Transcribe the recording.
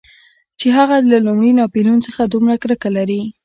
چې هغه له لومړي ناپلیون څخه دومره کرکه لري.